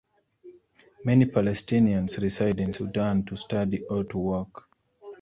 Many Palestinians reside in Sudan to study or to work.